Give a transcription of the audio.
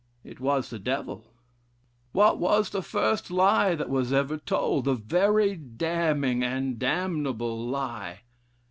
It was the Devil. What was the first lie that was ever told, the very damning and damnable lie?